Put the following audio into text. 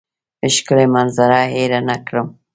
ښکلې منظره هېره نه کړم.